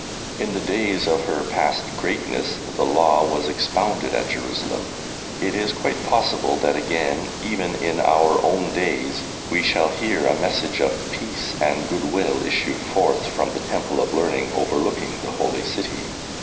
In the days of her past greatness the law was expounded at Jerusalem. It is quite possible that again, even in our own days, we shall hear a message of peace and goodwill issue forth from the Temple of Learning overlooking the Holy City.